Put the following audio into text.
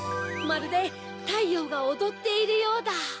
まるでたいようがおどっているようだ。